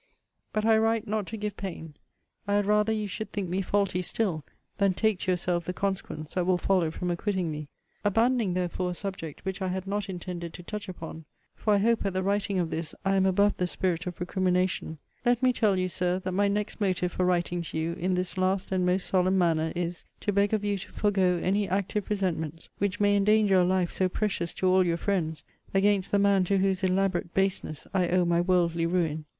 But I write not to give pain. I had rather you should think me faulty still, than take to yourself the consequence that will follow from acquitting me. Abandoning therefore a subject which I had not intended to touch upon, (for I hope, at the writing of this, I am above the spirit of recrimination,) let me tell you, Sir, that my next motive for writing to you in this last and most solemn manner is, to beg of you to forego any active resentments (which may endanger a life so precious to all your friends) against the man to whose elaborate baseness I owe my worldly ruin.